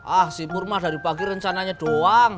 ah si pur mah dari pagi rencananya doang